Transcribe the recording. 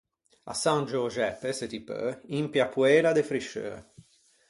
À San Giöxeppe, se ti peu, impi a poela de frisceu.